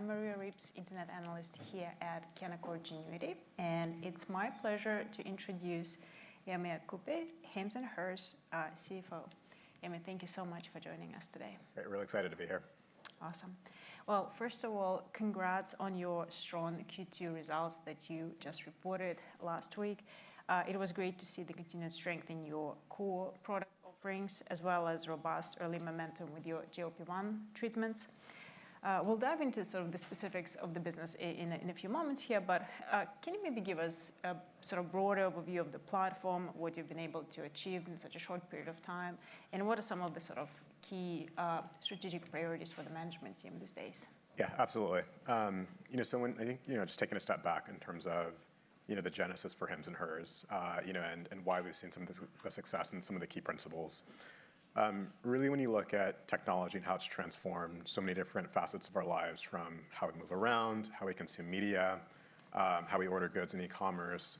I'm Maria Ripps, Internet Analyst here at Canaccord Genuity, and it's my pleasure to introduce Yemi Akande, Hims & Hers CFO. Yemi, thank you so much for joining us today. Great, really excited to be here. Awesome. Well, first of all, congrats on your strong Q2 results that you just reported last week. It was great to see the continued strength in your core product offerings, as well as robust early momentum with your GLP-1 treatments. We'll dive into sort of the specifics of the business in a few moments here, but can you maybe give us a sort of broad overview of the platform, what you've been able to achieve in such a short period of time? And what are some of the sort of key strategic priorities for the management team these days? Yeah, absolutely. You know, I think, you know, just taking a step back in terms of, you know, the genesis for Hims and Hers, you know, and why we've seen some of the success and some of the key principles. Really when you look at technology and how it's transformed so many different facets of our lives, from how we move around, how we consume media, how we order goods in e-commerce,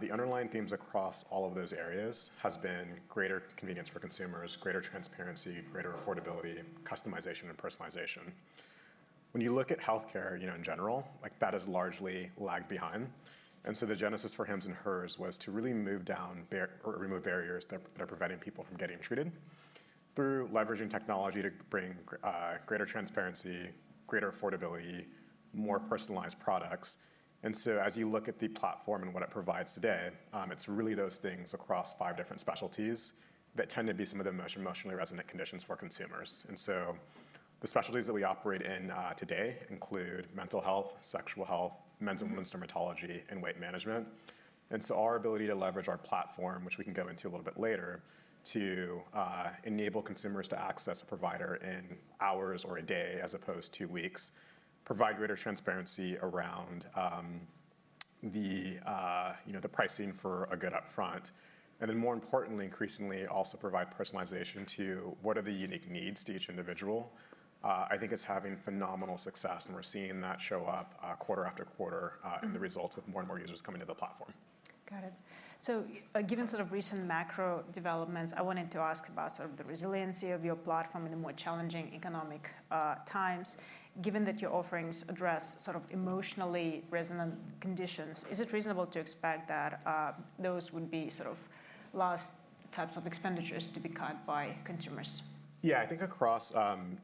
the underlying themes across all of those areas has been greater convenience for consumers, greater transparency, greater affordability, customization, and personalization. When you look at healthcare, you know, in general, like, that has largely lagged behind. And so the genesis for Hims and Hers was to really remove barriers that are preventing people from getting treated, through leveraging technology to bring greater transparency, greater affordability, more personalized products. And so as you look at the platform and what it provides today, it's really those things across five different specialties that tend to be some of the most emotionally resonant conditions for consumers. And so the specialties that we operate in today include mental health, sexual health, men's and women's dermatology, and weight management. And so our ability to leverage our platform, which we can go into a little bit later, to enable consumers to access a provider in hours or a day, as opposed to weeks. Provide greater transparency around, you know, the pricing for a good upfront, and then more importantly, increasingly, also provide personalization to what are the unique needs to each individual, I think is having phenomenal success, and we're seeing that show up, quarter after quarter, in the results with more and more users coming to the platform. Got it. So, given sort of recent macro developments, I wanted to ask about sort of the resiliency of your platform in the more challenging economic times. Given that your offerings address sort of emotionally resonant conditions, is it reasonable to expect that those would be sort of last types of expenditures to be cut by consumers? Yeah, I think across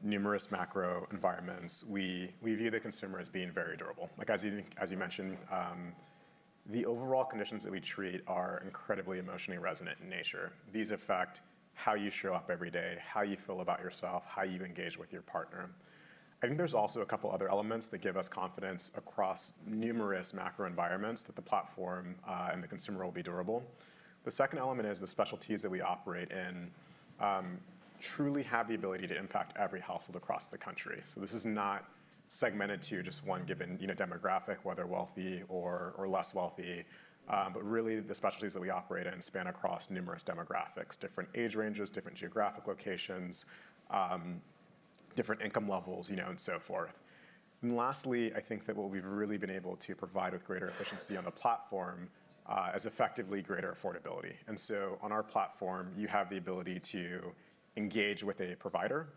numerous macro environments, we view the consumer as being very durable. Like, as you mentioned, the overall conditions that we treat are incredibly emotionally resonant in nature. These affect how you show up every day, how you feel about yourself, how you engage with your partner. I think there's also a couple other elements that give us confidence across numerous macro environments that the platform and the consumer will be durable. The second element is the specialties that we operate in truly have the ability to impact every household across the country. So this is not segmented to just one given, you know, demographic, whether wealthy or less wealthy. But really, the specialties that we operate in span across numerous demographics, different age ranges, different geographic locations, different income levels, you know, and so forth. And lastly, I think that what we've really been able to provide with greater efficiency on the platform, is effectively greater affordability. And so on our platform, you have the ability to engage with a provider.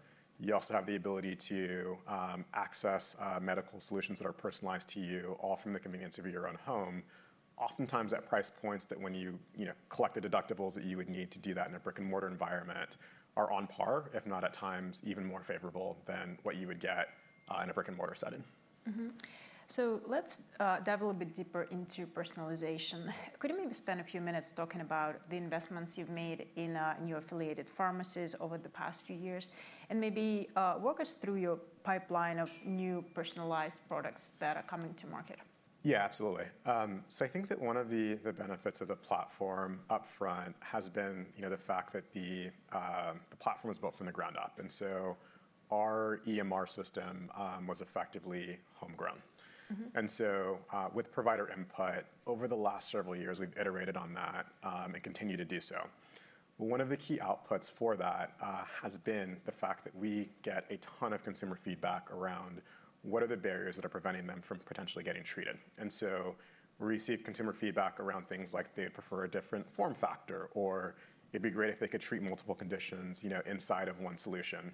You also have the ability to access medical solutions that are personalized to you, all from the convenience of your own home. Oftentimes at price points that when you, you know, collect the deductibles that you would need to do that in a brick-and-mortar environment, are on par, if not at times, even more favorable than what you would get, in a brick-and-mortar setting. Mm-hmm. So let's dive a little bit deeper into personalization. Could you maybe spend a few minutes talking about the investments you've made in your affiliated pharmacies over the past few years? And maybe walk us through your pipeline of new personalized products that are coming to market. Yeah, absolutely. So I think that one of the benefits of the platform upfront has been, you know, the fact that the platform was built from the ground up, and so our EMR system was effectively homegrown. Mm-hmm. And so, with provider input, over the last several years, we've iterated on that, and continue to do so. One of the key outputs for that, has been the fact that we get a ton of consumer feedback around what are the barriers that are preventing them from potentially getting treated. And so we receive consumer feedback around things like they'd prefer a different form factor, or it'd be great if they could treat multiple conditions, you know, inside of one solution.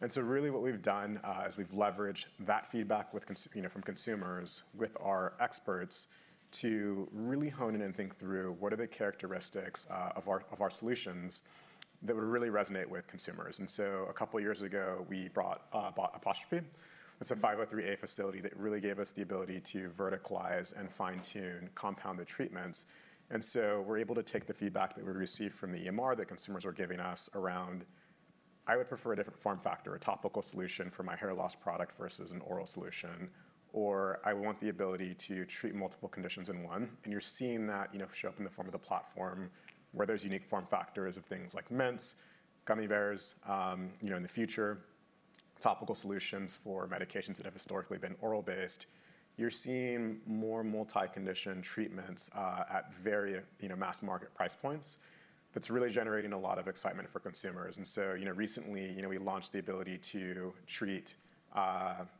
And so really what we've done, is we've leveraged that feedback you know, from consumers, with our experts, to really hone in and think through what are the characteristics, of our, of our solutions that would really resonate with consumers. And so a couple of years ago, we bought Apostrophe. It's a 503A facility that really gave us the ability to verticalize and fine-tune compounded treatments. And so we're able to take the feedback that we received from the EMR that consumers were giving us around, "I would prefer a different form factor, a topical solution for my hair loss product versus an oral solution," or, "I want the ability to treat multiple conditions in one." And you're seeing that, you know, show up in the form of the platform, where there's unique form factors of things like mints, gummy bears, you know, in the future, topical solutions for medications that have historically been oral-based. You're seeing more multi-condition treatments, at very, you know, mass market price points. That's really generating a lot of excitement for consumers. So, you know, recently, you know, we launched the ability to treat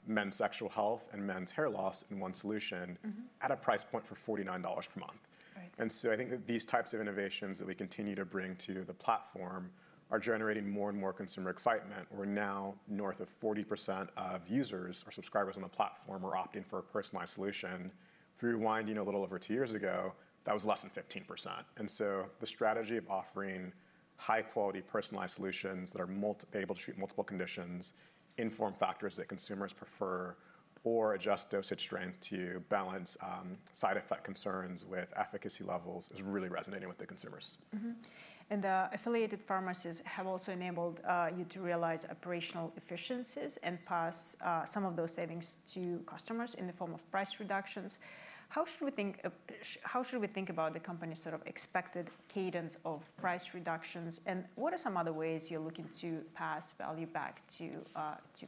men's sexual health and men's hair loss in one solution- Mm-hmm at a price point for $49 per month. Right. I think that these types of innovations that we continue to bring to the platform are generating more and more consumer excitement. We're now north of 40% of users or subscribers on the platform are opting for a personalized solution. If you rewind, you know, a little over two years ago, that was less than 15%. The strategy of offering high-quality personalized solutions that are able to treat multiple conditions, form factors that consumers prefer, or adjust dosage strength to balance side effect concerns with efficacy levels is really resonating with the consumers. Mm-hmm. And the affiliated pharmacies have also enabled you to realize operational efficiencies and pass some of those savings to customers in the form of price reductions. How should we think about the company's sort of expected cadence of price reductions, and what are some other ways you're looking to pass value back to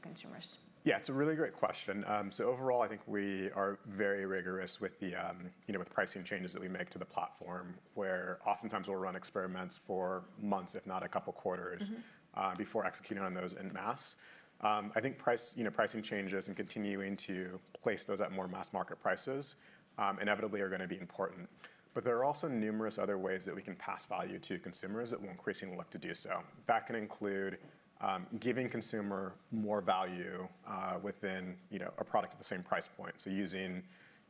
consumers? Yeah, it's a really great question. So overall, I think we are very rigorous with the, you know, with pricing changes that we make to the platform, where oftentimes we'll run experiments for months, if not a couple quarters- Mm-hmm before executing on those en masse. I think price, you know, pricing changes and continuing to place those at more mass market prices inevitably are gonna be important. But there are also numerous other ways that we can pass value to consumers that we're increasingly look to do so. That can include, giving consumer more value, within, you know, a product at the same price point. So using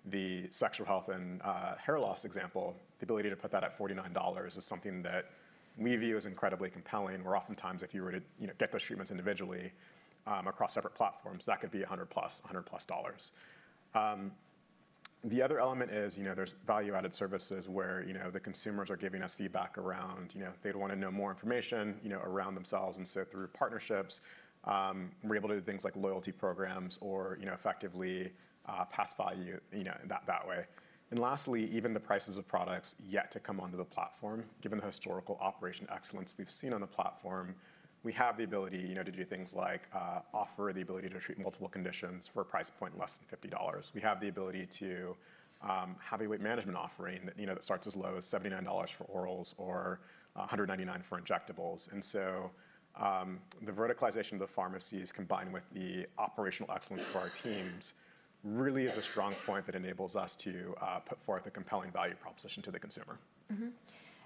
the sexual health and hair loss example, the ability to put that at $49 is something that we view as incredibly compelling, where oftentimes if you were to, you know, get those treatments individually, across separate platforms, that could be $100+ dollars. The other element is, you know, there's value-added services where, you know, the consumers are giving us feedback around, you know, they'd wanna know more information, you know, around themselves, and so through partnerships, we're able to do things like loyalty programs or, you know, effectively, pass value, you know, that way. And lastly, even the prices of products yet to come onto the platform, given the historical operation excellence we've seen on the platform, we have the ability, you know, to do things like, offer the ability to treat multiple conditions for a price point less than $50. We have the ability to, have a weight management offering that, you know, that starts as low as $79 for orals or, 199 for injectables. The verticalization of the pharmacies, combined with the operational excellence of our teams, really is a strong point that enables us to put forth a compelling value proposition to the consumer. Mm-hmm.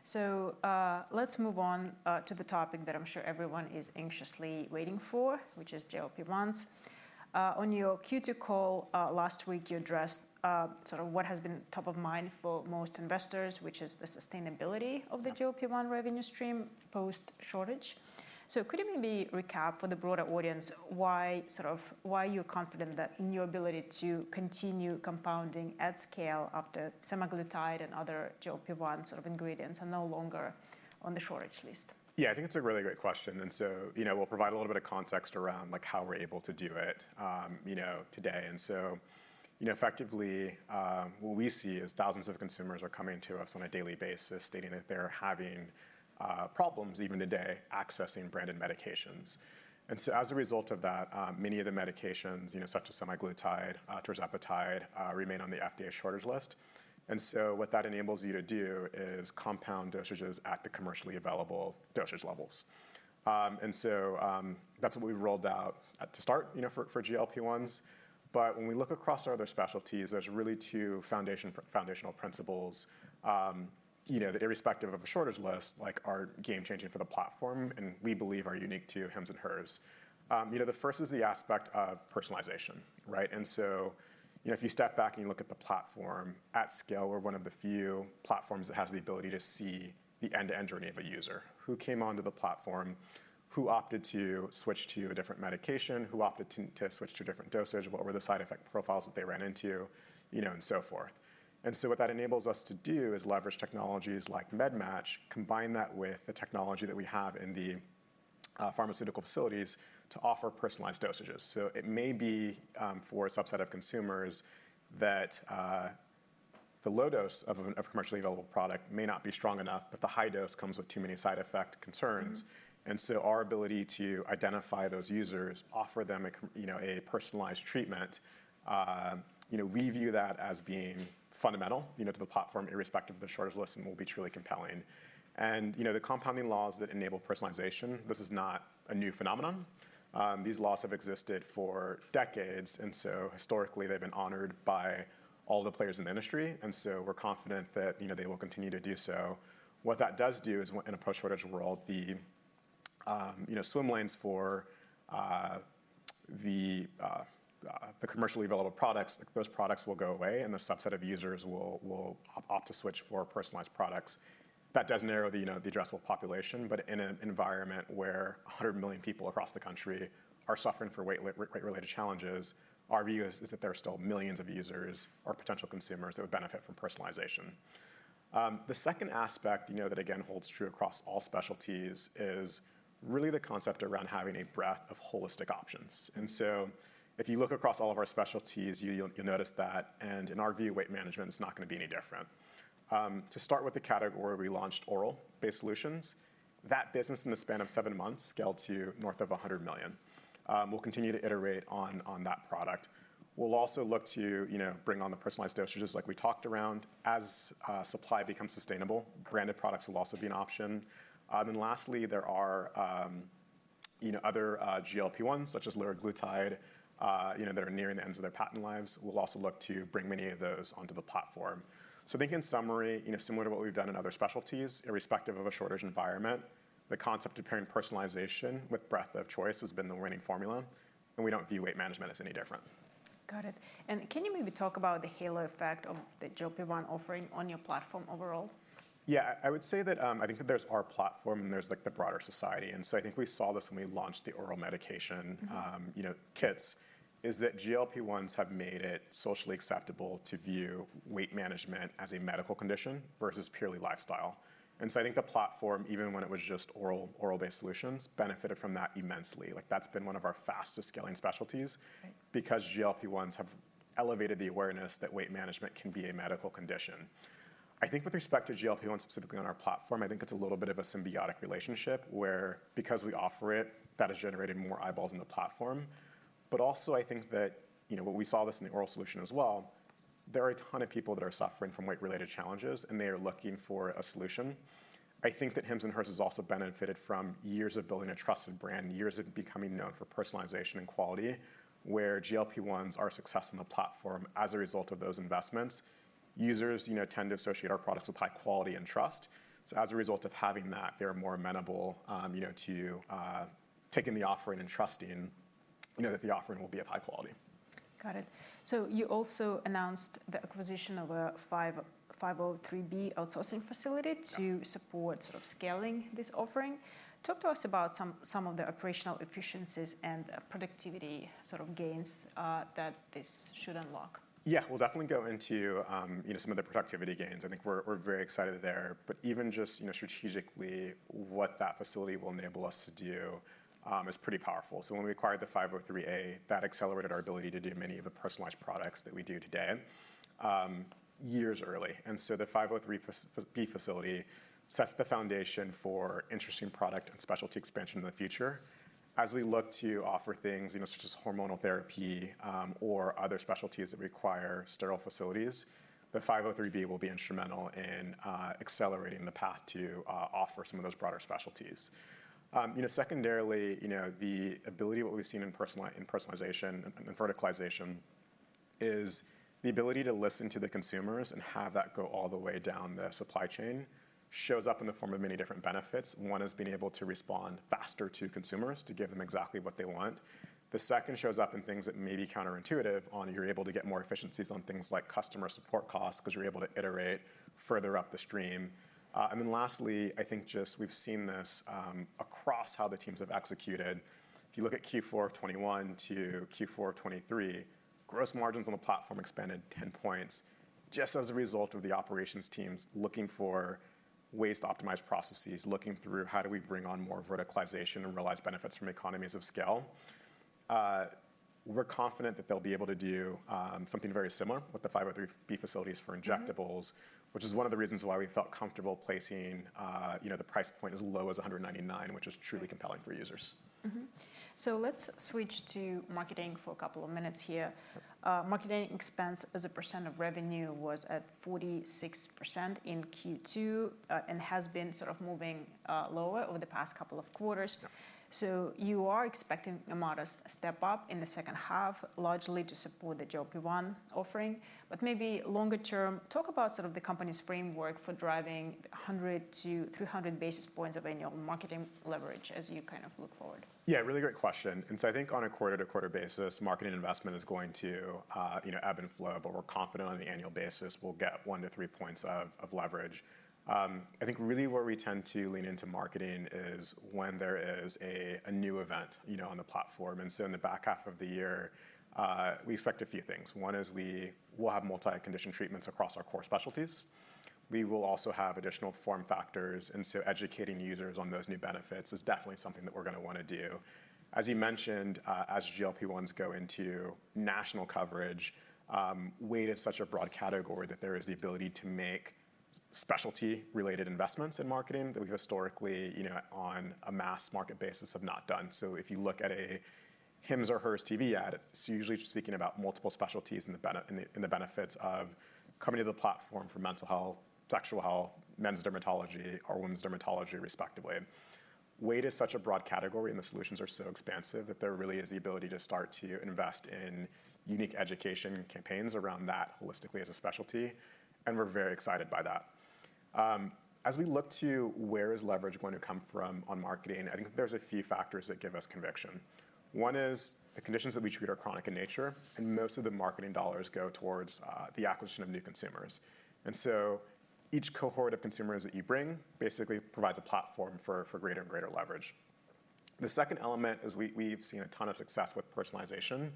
So, let's move on to the topic that I'm sure everyone is anxiously waiting for, which is GLP-1s. On your Q2 call last week, you addressed sort of what has been top of mind for most investors, which is the sustainability of the GLP-1 revenue stream post-shortage. So could you maybe recap for the broader audience, why, sort of, why you're confident that in your ability to continue compounding at scale after semaglutide and other GLP-1 sort of ingredients are no longer on the shortage list? Yeah, I think it's a really great question, and so, you know, we'll provide a little bit of context around, like, how we're able to do it, you know, today. And so, you know, effectively, what we see is thousands of consumers are coming to us on a daily basis, stating that they're having problems even today, accessing branded medications. And so as a result of that, many of the medications, you know, such as semaglutide, tirzepatide, remain on the FDA shortage list. And so what that enables you to do is compound dosages at the commercially available dosage levels. And so, that's what we've rolled out, to start, you know, for GLP-1s. But when we look across our other specialties, there's really two foundational principles, you know, that irrespective of a shortage list, like are game changing for the platform, and we believe are unique to Hims and Hers. You know, the first is the aspect of personalization, right? And so, you know, if you step back and you look at the platform, at scale, we're one of the few platforms that has the ability to see the end-to-end journey of a user. Who came onto the platform, who opted to switch to a different medication, who opted to switch to a different dosage, what were the side effect profiles that they ran into, you know, and so forth. What that enables us to do is leverage technologies like MedMatch, combine that with the technology that we have in the pharmaceutical facilities, to offer personalized dosages. It may be for a subset of consumers that the low dose of a commercially available product may not be strong enough, but the high dose comes with too many side effect concerns. Our ability to identify those users, offer them a, you know, a personalized treatment, you know, we view that as being fundamental, you know, to the platform, irrespective of the shortage list and will be truly compelling. And, you know, the compounding laws that enable personalization this is not a new phenomenon. These laws have existed for decades, and so historically, they've been honored by all the players in the industry, and so we're confident that, you know, they will continue to do so. What that does do is in a post-shortage world, the, you know, swim lanes for, the commercially available products, those products will go away, and the subset of users will opt to switch for personalized products. That does narrow the, you know, the addressable population, but in an environment where 100 million people across the country are suffering from weight-related challenges, our view is that there are still millions of users or potential consumers that would benefit from personalization. The second aspect, you know, that again holds true across all specialties, is really the concept around having a breadth of holistic options. And so if you look across all of our specialties, you'll notice that, and in our view, weight management is not gonna be any different. To start with the category, we launched oral-based solutions. That business, in the span of seven months, scaled to north of $100 million. We'll continue to iterate on that product. We'll also look to, you know, bring on the personalized dosages like we talked around. As supply becomes sustainable, branded products will also be an option. And lastly, there are, you know, other GLP-1s, such as liraglutide, you know, that are nearing the ends of their patent lives. We'll also look to bring many of those onto the platform. I think in summary, you know, similar to what we've done in other specialties, irrespective of a shortage environment, the concept of pairing personalization with breadth of choice has been the winning formula, and we don't view weight management as any different. Got it. And can you maybe talk about the halo effect of the GLP-1 offering on your platform overall? Yeah, I would say that I think that there's our platform, and there's, like, the broader society. And so I think we saw this when we launched the oral medication- Mm-hmm. you know, kits, is that GLP-1s have made it socially acceptable to view weight management as a medical condition versus purely lifestyle. And so I think the platform, even when it was just oral, oral-based solutions, benefited from that immensely. Like, that's been one of our fastest scaling specialties- Right. because GLP-1s have elevated the awareness that weight management can be a medical condition. I think with respect to GLP-1, specifically on our platform, I think it's a little bit of a symbiotic relationship, where because we offer it, that has generated more eyeballs on the platform. But also, I think that, you know, well, we saw this in the oral solution as well, there are a ton of people that are suffering from weight-related challenges, and they are looking for a solution. I think that Hims & Hers has also benefited from years of building a trusted brand, years of becoming known for personalization and quality, where GLP-1s are a success on the platform as a result of those investments. Users, you know, tend to associate our products with high quality and trust. So as a result of having that, they're more amenable, you know, to taking the offering and trusting, you know, that the offering will be of high quality. Got it. So you also announced the acquisition of a 503B outsourcing facility to support sort of scaling this offering. Talk to us about some of the operational efficiencies and productivity sort of gains that this should unlock. Yeah, we'll definitely go into, you know, some of the productivity gains. I think we're very excited there. But even just, you know, strategically, what that facility will enable us to do, is pretty powerful. So when we acquired the 503A, that accelerated our ability to do many of the personalized products that we do today, years early. And so the 503B facility sets the foundation for interesting product and specialty expansion in the future. As we look to offer things, you know, such as hormonal therapy, or other specialties that require sterile facilities, the 503B will be instrumental in, accelerating the path to, offer some of those broader specialties. You know, secondarily, you know, the ability, what we've seen in personalization and verticalization is the ability to listen to the consumers and have that go all the way down the supply chain shows up in the form of many different benefits. One is being able to respond faster to consumers to give them exactly what they want. The second shows up in things that may be counterintuitive, on you're able to get more efficiencies on things like customer support costs, 'cause you're able to iterate further up the stream. And then lastly, I think just we've seen this across how the teams have executed. If you look at Q4 of 2021 to Q4 of 2023, gross margins on the platform expanded 10 points, just as a result of the operations teams looking for ways to optimize processes, looking through how do we bring on more verticalization and realize benefits from economies of scale? We're confident that they'll be able to do something very similar with the 503B facilities for injectables- Mm-hmm which is one of the reasons why we felt comfortable placing, you know, the price point as low as $199, which is truly compelling for users. Mm-hmm. So let's switch to marketing for a couple of minutes here. Marketing expense as a % of revenue was at 46% in Q2, and has been sort of moving lower over the past couple of quarters. You are expecting a modest step up in the second half, largely to support the GLP-1 offering. Maybe longer term, talk about sort of the company's framework for driving 100-300 basis points of annual marketing leverage as you kind of look forward. Yeah, really great question. And so I think on a quarter-to-quarter basis, marketing investment is going to, you know, ebb and flow, but we're confident on an annual basis, we'll get one to three points of leverage. I think really where we tend to lean into marketing is when there is a new event, you know, on the platform. And so in the back half of the year, we expect a few things. One is we will have multi-condition treatments across our core specialties. We will also have additional form factors, and so educating users on those new benefits is definitely something that we're gonna wanna do. As you mentioned, as GLP-1s go into national coverage, weight is such a broad category that there is the ability to make specialty-related investments in marketing that we've historically, you know, on a mass market basis, have not done. So if you look at a Hims & Hers TV ad, it's usually speaking about multiple specialties and the benefits of coming to the platform for mental health, sexual health, men's dermatology or women's dermatology, respectively. Weight is such a broad category, and the solutions are so expansive that there really is the ability to start to invest in unique education campaigns around that holistically as a specialty, and we're very excited by that. As we look to where is leverage going to come from on marketing, I think there's a few factors that give us conviction. One is the conditions that we treat are chronic in nature, and most of the marketing dollars go towards the acquisition of new consumers. So each cohort of consumers that you bring basically provides a platform for greater and greater leverage. The second element is we've seen a ton of success with personalization,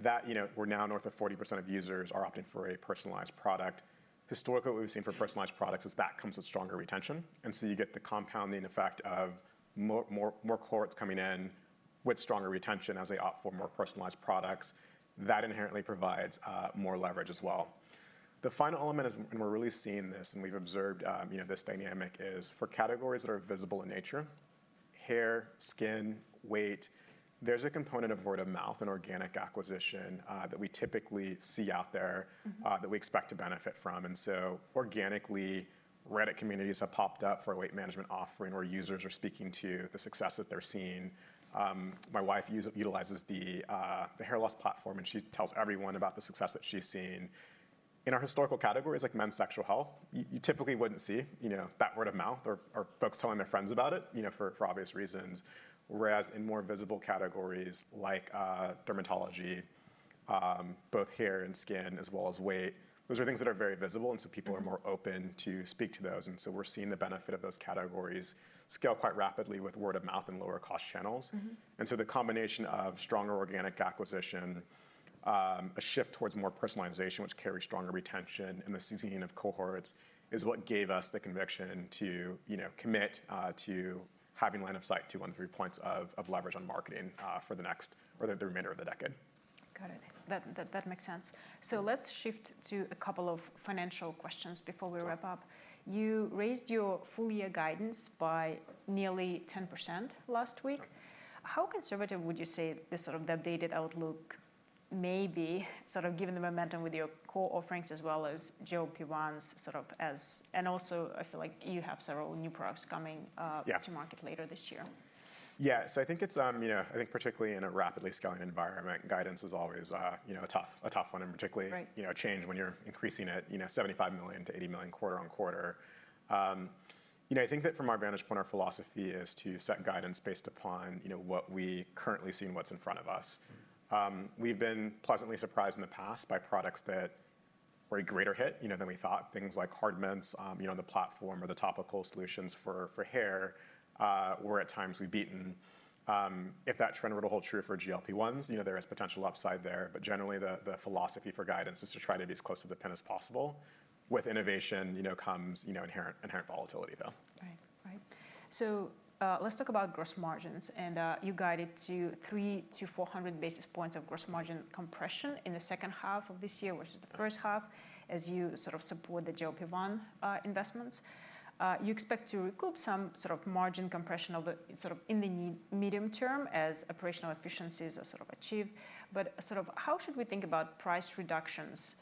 that you know, we're now north of 40% of users are opting for a personalized product. Historically, what we've seen for personalized products is that comes with stronger retention, and so you get the compounding effect of more cohorts coming in with stronger retention as they opt for more personalized products. That inherently provides more leverage as well. The final element is, and we're really seeing this, and we've observed, you know, this dynamic, is for categories that are visible in nature: hair, skin, weight, there's a component of word of mouth and organic acquisition, that we typically see out there- Mm-hmm that we expect to benefit from. And so organically, Reddit communities have popped up for a weight management offering, where users are speaking to the success that they're seeing. My wife utilizes the hair loss platform, and she tells everyone about the success that she's seen. In our historical categories, like men's sexual health, you typically wouldn't see, you know, that word of mouth or folks telling their friends about it, you know, for obvious reasons. Whereas in more visible categories like dermatology, both hair and skin, as well as weight, those are things that are very visible, and so people are more open to speak to those. And so we're seeing the benefit of those categories scale quite rapidly with word of mouth and lower cost channels. Mm-hmm. And so the combination of stronger organic acquisition, a shift towards more personalization, which carries stronger retention, and the seasoning of cohorts, is what gave us the conviction to, you know, commit, to having line of sight to 1 to 3 points of leverage on marketing, for the next or the remainder of the decade. Got it. That makes sense. Let's shift to a couple of financial questions before we wrap up. You raised your full year guidance by nearly 10% last week. How conservative would you say this sort of the updated outlook may be, sort of given the momentum with your core offerings as well as GLP-1s, sort of as and also, I feel like you have several new products coming? Yeah. to market later this year. Yeah. So I think it's, you know, I think particularly in a rapidly scaling environment, guidance is always, you know, a tough, a tough one, and particularly- Right. you know, change when you're increasing it, you know, $75 million to $80 million quarter-over-quarter. You know, I think that from our vantage point, our philosophy is to set guidance based upon, you know, what we currently see and what's in front of us. We've been pleasantly surprised in the past by products that were a greater hit, you know, than we thought. Things like Hard Mints, you know, on the platform, or the topical solutions for hair, where at times we've beaten. If that trend were to hold true for GLP-1s, you know, there is potential upside there, but generally, the philosophy for guidance is to try to be as close to the penny as possible. With innovation, you know, comes, you know, inherent volatility, though. Right. Right. So, let's talk about gross margins, and, you guided to 300-400 basis points of gross margin compression in the second half of this year, versus the first half, as you sort of support the GLP-1, investments. You expect to recoup some sort of margin compression over, sort of in the medium term as operational efficiencies are sort of achieved. But, sort of, how should we think about price reductions,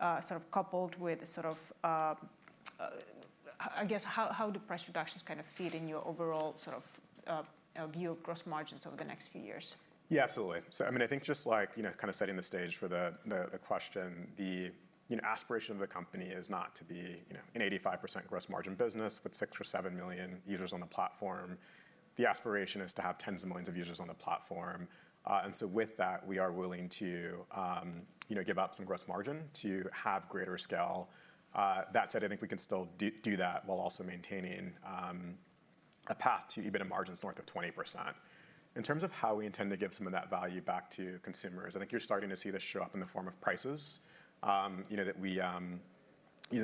sort of coupled with sort of, I guess, how, how do price reductions kind of feed in your overall sort of, view of gross margins over the next few years? Yeah, absolutely. So I mean, I think just like, you know, kind of setting the stage for the question, you know, aspiration of the company is not to be, you know, an 85% gross margin business with 6 or 7 million users on the platform. The aspiration is to have tens of millions of users on the platform. And so with that, we are willing to, you know, give up some gross margin to have greater scale. That said, I think we can still do that while also maintaining a path to EBITDA margins north of 20%. In terms of how we intend to give some of that value back to consumers, I think you're starting to see this show up in the form of prices, you know, that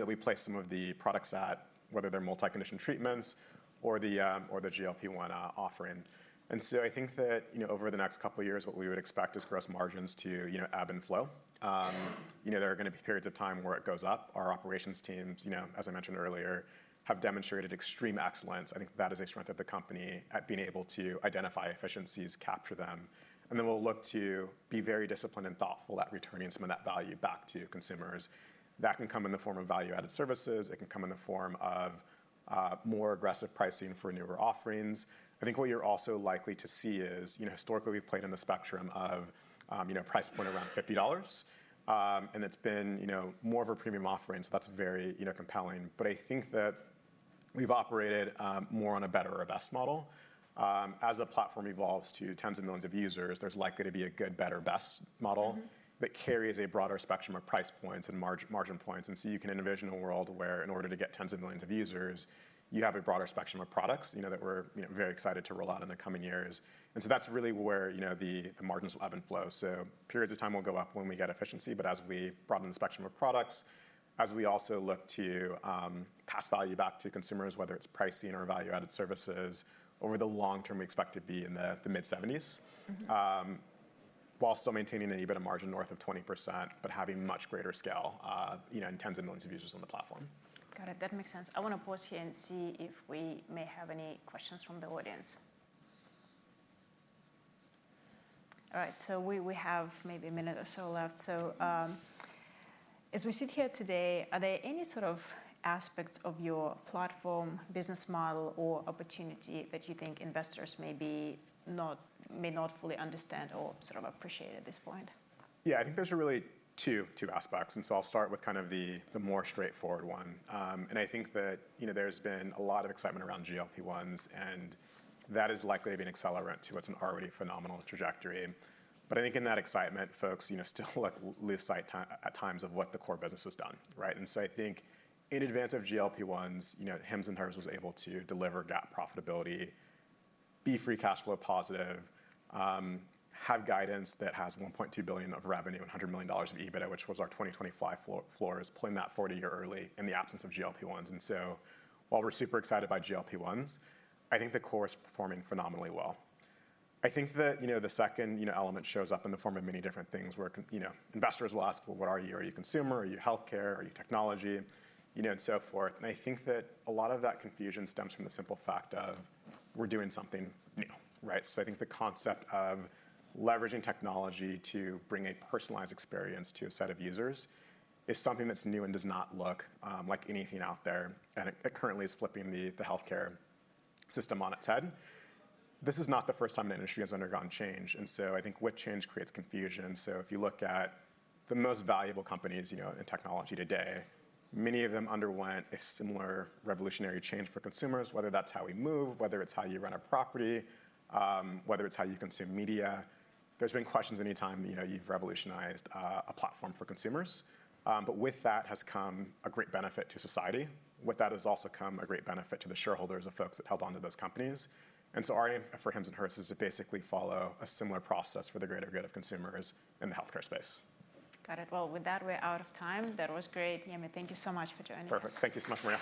we place some of the products at, whether they're multi-condition treatments or the GLP-1 offering. And so I think that, you know, over the next couple of years, what we would expect is gross margins to, you know, ebb and flow. You know, there are gonna be periods of time where it goes up. Our operations teams, you know, as I mentioned earlier, have demonstrated extreme excellence. I think that is a strength of the company at being able to identify efficiencies, capture them, and then we'll look to be very disciplined and thoughtful at returning some of that value back to consumers. That can come in the form of value-added services. It can come in the form of more aggressive pricing for newer offerings. I think what you're also likely to see is, you know, historically, we've played in the spectrum of, you know, price point around $50. And it's been, you know, more of a premium offering, so that's very, you know, compelling. But I think that we've operated more on a better or a best model. As the platform evolves to tens of millions of users, there's likely to be a good, better, best model- Mm-hmm that carries a broader spectrum of price points and margin points. And so you can envision a world where in order to get tens of millions of users, you have a broader spectrum of products, you know, that we're, you know, very excited to roll out in the coming years. And so that's really where, you know, the margins will ebb and flow. So periods of time will go up when we get efficiency, but as we broaden the spectrum of products, as we also look to pass value back to consumers, whether it's pricing or value-added services, over the long term, we expect to be in the mid-70s%. Mm-hmm. While still maintaining an EBITDA margin north of 20%, but having much greater scale, you know, in tens of millions of users on the platform. Got it. That makes sense. I want to pause here and see if we may have any questions from the audience. All right, so we have maybe a minute or so left. So, as we sit here today, are there any sort of aspects of your platform, business model, or opportunity that you think investors may not fully understand or sort of appreciate at this point? Yeah, I think there's really two aspects, and so I'll start with kind of the more straightforward one. And I think that, you know, there's been a lot of excitement around GLP-1s, and that is likely to be an accelerant to what's an already phenomenal trajectory. But I think in that excitement, folks, you know, still, like, lose sight at times of what the core business has done, right? And so I think in advance of GLP-1s, you know, Hims & Hers was able to deliver GAAP profitability, be free cash flow positive, have guidance that has $1.2 billion of revenue, $100 million of EBITDA, which was our 2025 floor, is pulling that forward a year early in the absence of GLP-1s. And so, while we're super excited by GLP-1s, I think the core is performing phenomenally well. I think that, you know, the second, you know, element shows up in the form of many different things, where you know, investors will ask: "Well, what are you? Are you consumer? Are you healthcare? Are you technology?" You know, and so forth. And I think that a lot of that confusion stems from the simple fact of we're doing something new, right? So I think the concept of leveraging technology to bring a personalized experience to a set of users is something that's new and does not look like anything out there, and it currently is flipping the healthcare system on its head. This is not the first time the industry has undergone change, and so I think with change creates confusion. So if you look at the most valuable companies, you know, in technology today, many of them underwent a similar revolutionary change for consumers, whether that's how we move, whether it's how you rent a property, whether it's how you consume media. There's been questions anytime, you know, you've revolutionized a platform for consumers. But with that has come a great benefit to society. With that has also come a great benefit to the shareholders of folks that held onto those companies. And so our aim for Hims and Hers is to basically follow a similar process for the greater good of consumers in the healthcare space. Got it. Well, with that, we're out of time. That was great, Yemi. Thank you so much for joining us. Perfect. Thank you so much, Maria.